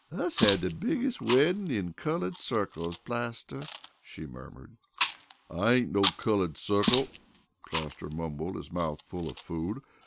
"Us had de biggest weddin' in cullud circles, Plaster," she murmured. "I ain't no cullud circle," Plaster mumbled, his mouth full of food.